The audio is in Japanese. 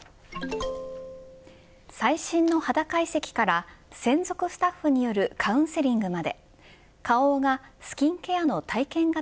最新の肌解析から専属スタッフによるカウンセリングまで花王がスキンケアの体験型